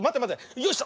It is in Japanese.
よいしょ！